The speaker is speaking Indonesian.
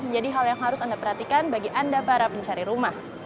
menjadi hal yang harus anda perhatikan bagi anda para pencari rumah